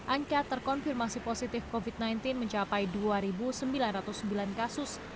angka terkonfirmasi positif covid sembilan belas mencapai dua sembilan ratus sembilan kasus